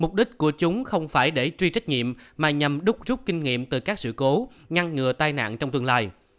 mục đích của chúng không phải để truy trách nhiệm mà nhằm đúc rút kinh nghiệm từ các sự cố ngăn ngừa tai nạn trong tương lai